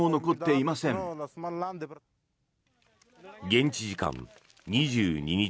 現地時間２２日